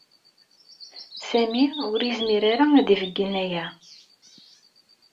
Sami ur yezmir ara ad ibeggen aya.